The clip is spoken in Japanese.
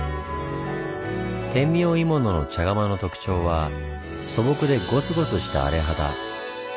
天明鋳物の茶釜の特徴は素朴でごつごつした「あれ肌」。